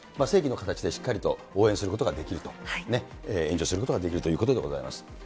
正規の形でしっかりと応援することができると、援助することができるということでございます。